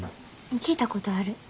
聞いたことある。